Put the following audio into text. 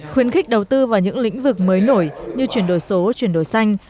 khuyến khích đầu tư vào những lĩnh vực mới nổi như chuyển đổi số chuyển đổi xanh